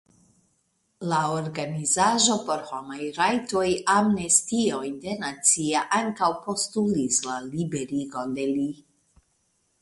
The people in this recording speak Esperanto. La organizaĵo por homaj rajtoj Amnestio Internacia ankaŭ postulis la liberigon de li.